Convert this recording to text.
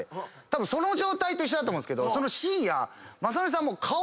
たぶんその状態と一緒だと思うんですけど深夜。